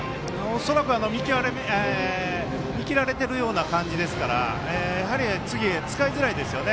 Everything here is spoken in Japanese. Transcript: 恐らく見切られてるような感じですから、やはり次、使いづらいですよね。